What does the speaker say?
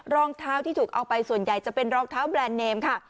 รองเท้าที่ถูกเอาไปส่วนใหญ่จะเป็นรองเท้าแบรนด์เนมค่ะ